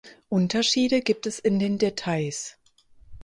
Unterschiede gibt es in den Details.